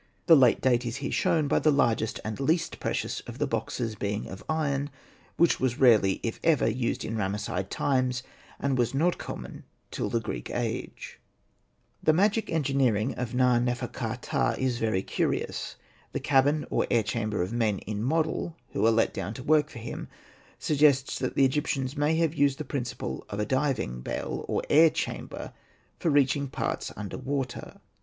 The late date is here shown by the largest and least precious of the boxes being of iron, which was rarely, if ever, used in Ramesside times, and was not common till the Greek age. The magic engineering of Na.nefer.ka. ptah is very curious. The cabin or air chamber of men in model, who are let down to work for him, suggests that Egyptians may have used the principle of a diving bell or air chamber for reaching parts underwater.